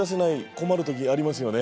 困る時ありますよね。